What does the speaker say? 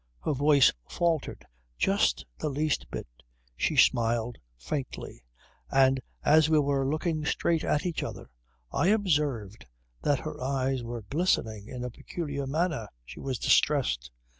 Her voice faltered just the least bit, she smiled faintly; and as we were looking straight at each other I observed that her eyes were glistening in a peculiar manner. She was distressed.